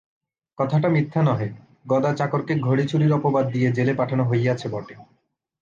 কথাটা মিথ্যা নহে–গদা চাকরকে ঘড়িচুরির অপবাদ দিয়া জেলে পাঠানো হইয়াছে বটে।